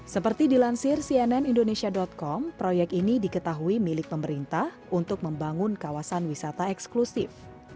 seperti dilansir cnn indonesia com proyek ini diketahui milik pemerintah untuk membangun kawasan wisata eksklusif